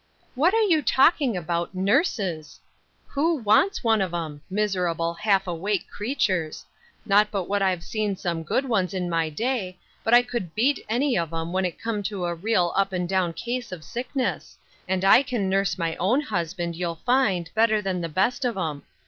" What are you talking about — nurses f Who wants one of 'em? miserable, half awake creatures ; not but what I've seen some good ones in my day, but I could beat any of 'em, when it come to a real up and down case of sick ness ; and I can nurse my own husband, you'll find, better than the best of 'em.